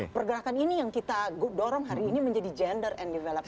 pergerakan ini yang kita dorong hari ini menjadi gender and development